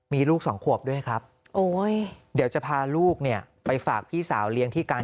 มีลูกสองขวบด้วยครับโอ้ยเดี๋ยวจะพาลูกเนี่ยไปฝากพี่สาวเลี้ยงที่การ